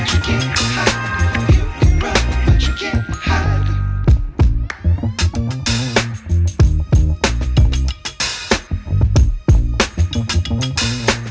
jangan lupa subscribe channel ini